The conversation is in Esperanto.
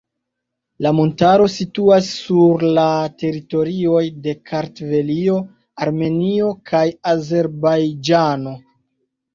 La montaro situas sur la teritorioj de Kartvelio, Armenio kaj Azerbajĝano.